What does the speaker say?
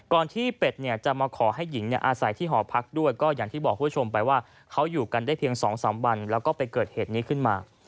ที่เป็ดเนี่ยจะมาขอให้หญิงอาศัยที่หอพักด้วยก็อย่างที่บอกคุณผู้ชมไปว่าเขาอยู่กันได้เพียง๒๓วันแล้วก็ไปเกิดเหตุนี้ขึ้นมา